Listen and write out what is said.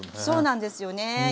そうなんですよね